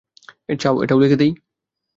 চাও আমি এটা লিখে দিই?